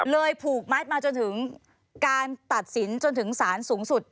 ผูกมัดมาจนถึงการตัดสินจนถึงสารสูงสุด